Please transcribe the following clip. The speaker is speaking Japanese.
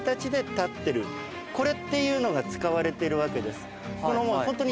これっていうのが使われてるわけです。